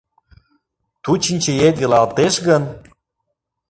Ту чинчеет велалтеш гын